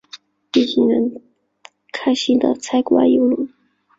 一行人开心的参观邮轮。